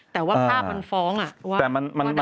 แต่ว่าภาพมันฟ้องอ่ะ